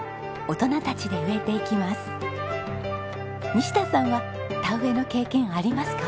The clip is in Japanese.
西田さんは田植えの経験ありますか？